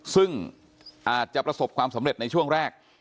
ซึ่งอาจจะประสบความสำเร็จในช่วงแรก